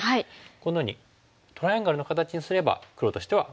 このようにトライアングルの形にすれば黒としては満足ですよね。